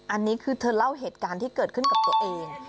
อันนี้คือเธอเล่าเหตุการณ์ที่เกิดขึ้นกับตัวเอง